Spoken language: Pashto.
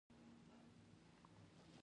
په نندارتونونو کې ګډون څنګه وکړم؟